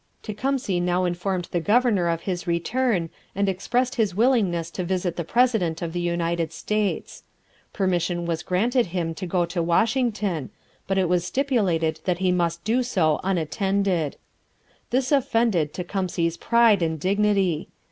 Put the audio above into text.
Tecumseh now informed the governor of his return and expressed his willingness to visit the president of the United States. Permission was granted him to go to Washington, but it was stipulated that he must do so unattended. This offended Tecumseh's pride and dignity.